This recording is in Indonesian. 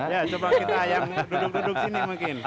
ya coba kita ayam duduk duduk sini mungkin